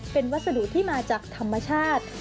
เป็นวัสดุที่มาจากธรรมชาติ